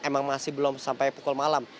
emang masih belum sampai pukul malam